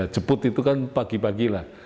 jemput itu kan pagi pagi lah